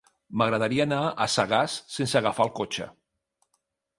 M'agradaria anar a Sagàs sense agafar el cotxe.